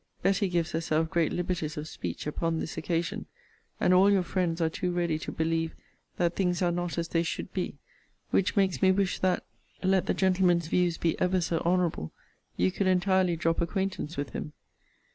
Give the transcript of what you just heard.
Betty gives herself great liberties of speech upon this occasion, and all your friends are too ready to believe that things are not as they should be; which makes me wish that, let the gentleman's views be ever so honourable, you could entirely drop acquaintance with him.